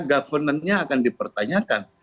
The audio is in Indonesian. governannya akan dipertanyakan